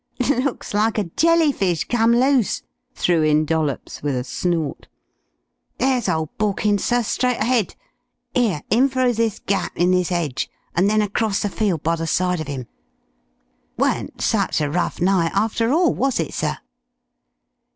"Looks like a jelly fish come loose," threw in Dollops with a snort. "There's ole Borkins, sir, straight ahead. 'Ere in through this gap in this 'edge and then across the field by the side of 'im.... Weren't such a rough night after all, was it, sir?"